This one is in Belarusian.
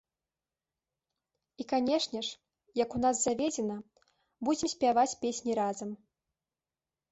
І, канешне ж, як у нас заведзена, будзем спяваць песні разам.